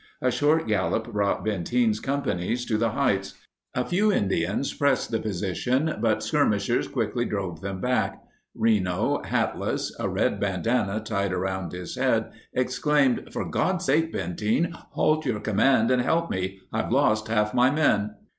A short gallop brought Benteen's companies to the heights. A few Indians pressed the position, but skirmishers quickly drove them back. Reno, hatless, a red bandana tied around his head, exclaimed: "For God's sake, Benteen, halt your command and help me. I've lost half my men."